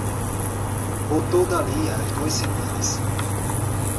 Voltou dali a duas semanas